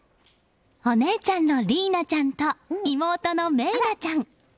お姉ちゃんの莉衣奈ちゃんと妹の芽衣奈ちゃん。